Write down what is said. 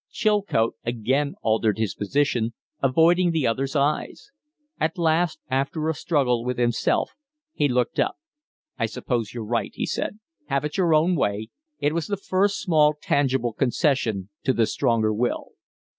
Chilcote again altered his position, avoiding the other's eyes. At last, after a struggle with himself, he looked up. "I suppose you're right!" he said. "Have it your own way." It was the first small, tangible concession to the stronger will.